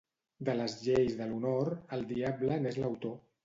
De les lleis de l'honor, el diable n'és l'autor.